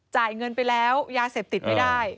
จ่ายเงินไปแล้วยาเสพติดไม่ได้